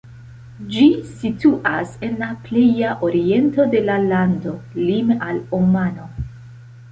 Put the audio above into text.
Ĝi situas en la pleja oriento de la lando, lime al Omano.